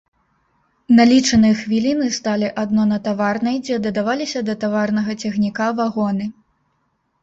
На лічаныя хвіліны сталі адно на таварнай, дзе дадаваліся да таварнага цягніка вагоны.